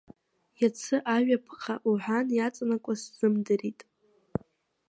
Иацы ажәаԥҟа уҳәан, иаҵанакуаз сзымдрит…